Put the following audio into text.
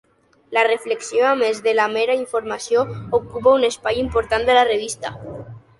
La reflexió a més de la mera informació ocupa un espai important de la revista.